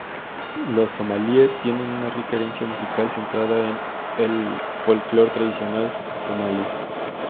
Los somalíes tienen una rica herencia musical centrada en el folclore tradicional somalí.